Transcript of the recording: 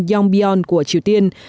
yongbyon của triều tiên